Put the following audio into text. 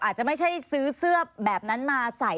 อาจจะไม่ใช่ซื้อเสื้อแบบนั้นมาใส่